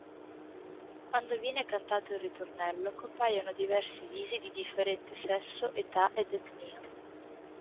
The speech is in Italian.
Quando viene cantato il ritornello, compaiono diversi visi di differente sesso, età ed etnia.